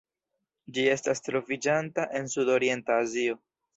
Ĝi estas troviĝanta en Sudorienta Azio.